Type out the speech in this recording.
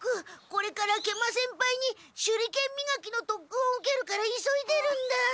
これから食満先輩に手裏剣みがきのとっくんを受けるから急いでるんだ。